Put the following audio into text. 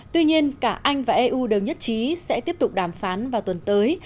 tuy nhiên cả anh và eu đều nhất trí sẽ tiếp tục đàm phán vào tuần tới